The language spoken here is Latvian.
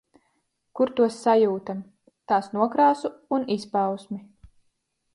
Kur to sajūtam, tās nokrāsu un izpausmi.